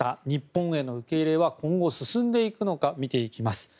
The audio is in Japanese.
日本への受け入れは今後進んでいくのか見ていきます。